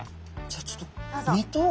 じゃあちょっと身と。